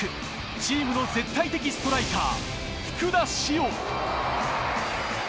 チームの絶対的ストライカー・福田師王。